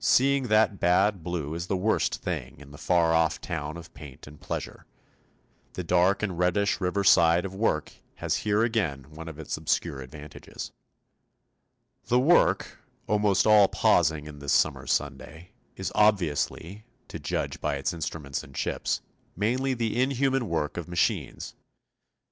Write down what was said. Seeing that bad blue is the worst thing in the far off town of paint and pleasure, the dark and reddish river side of work has here again one of its obscure advantages. [Illustration: ST. PAUL'S FROM WATLING STREET.] The work, almost all pausing in this summer Sunday, is obviously, to judge by its instruments and chips, mainly the inhuman work of machines.